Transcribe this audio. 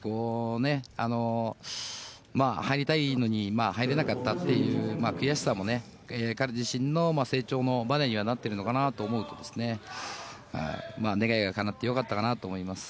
入りたいのに入れなかったという悔しさも彼自身の成長のバネにはなってると思うと願いがかなって、よかったかなと思います。